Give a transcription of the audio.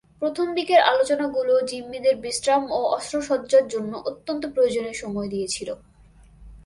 প্রথম দিকের আলোচনাগুলো জিম্মিদের বিশ্রাম ও অস্ত্রসজ্জার জন্য অত্যন্ত প্রয়োজনীয় সময় দিয়েছিল।